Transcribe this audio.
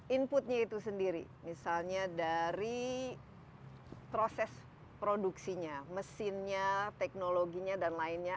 inputnya itu sendiri misalnya dari proses produksinya mesinnya teknologinya dan lainnya